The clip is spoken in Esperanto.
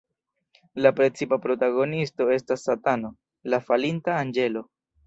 La precipa protagonisto estas Satano, la falinta anĝelo.